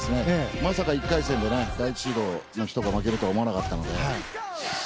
まさか１回戦で第１シードの人が負けるとは思わなかったので。